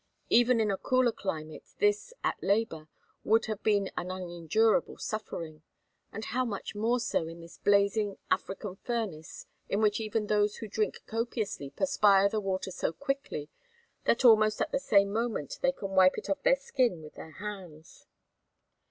Even in a cooler climate this, at labor, would have been an unendurable suffering; and how much more so in this blazing African furnace in which even those who drink copiously perspire the water so quickly that almost at the same moment they can wipe it off their skin with their hands.